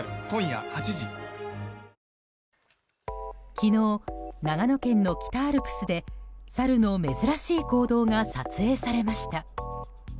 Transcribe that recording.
昨日、長野県の北アルプスでサルの珍しい行動が撮影されました。